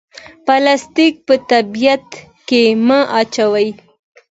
پلاستیک په طبیعت کې مه اچوئ